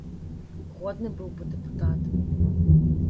Годны быў бы дэпутат!